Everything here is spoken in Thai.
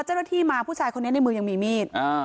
เจ้าหน้าที่มาผู้ชายคนนี้ในมือยังมีมีด